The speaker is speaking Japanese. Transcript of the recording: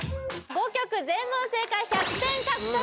５曲全問正解１００点獲得！